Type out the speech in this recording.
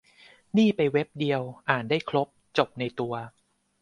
นี่ไปเว็บเดียว อ่านได้ครบ จบในตัว